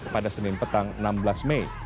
pada senin petang enam belas mei